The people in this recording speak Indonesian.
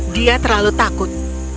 dia terlalu takut